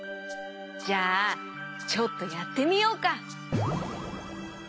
じゃあちょっとやってみようか。